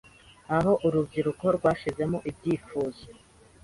Aho Urubyiruko rwashizemo ibyifuzo